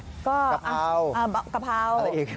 กะเพราอะไรอีก